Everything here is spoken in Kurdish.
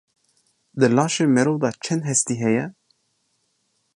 Di laşê mirov de çend hestî heye?